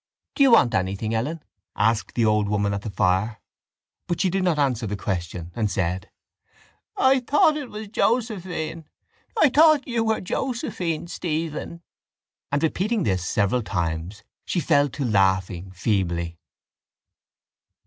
—Do you want anything, Ellen? asked the old woman at the fire. But she did not answer the question and said: —I thought it was Josephine. I thought you were Josephine, Stephen. And, repeating this several times, she fell to laughing feebly.